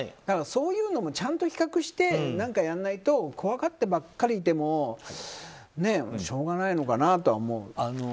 だからそういうのをちゃんと比較してやらないと怖がってばっかりでもしょうがないのかなとは思う。